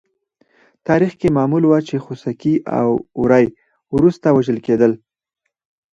تاریخ کې معمول وه چې خوسکي او وری وروسته وژل کېدل.